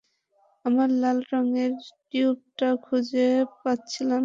আমার লাল রঙের টিউবটা খুঁজে পাচ্ছিলাম না।